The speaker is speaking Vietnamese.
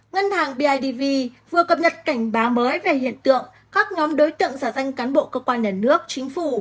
ngân hàng bidv vừa cập nhật cảnh báo mới về hiện tượng các nhóm đối tượng giả danh cán bộ cơ quan nhà nước chính phủ